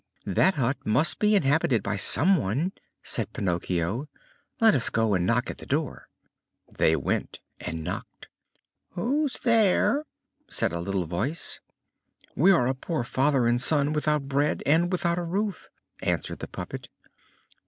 "That hut must be inhabited by some one," said Pinocchio. "Let us go and knock at the door." They went and knocked. "We are a poor father and son without bread and without a roof," answered the puppet.